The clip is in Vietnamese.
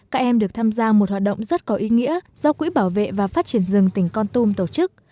các em được tham gia một hoạt động rất có ý nghĩa do quỹ bảo vệ và phát triển rừng tỉnh con tum tổ chức